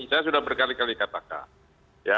saya sudah berkali kali katakan